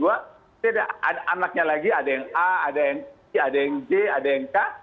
ada anaknya lagi ada yang a ada yang c ada yang j ada yang k